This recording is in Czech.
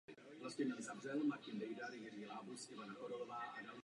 Modernizace je realizována ve dvou variantách.